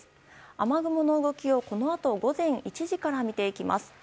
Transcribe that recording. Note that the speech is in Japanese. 雨雲の動きを、このあと午前１時から見ていきます。